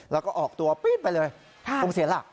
แล้วก็ออกตัวปี๊ดไปเลยคงเสียหลัก